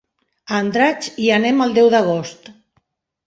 A Andratx hi anem el deu d'agost.